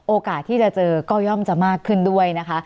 โอกาสที่จะเจอก็ย่อมจะมากขึ้นด้วยนะคะ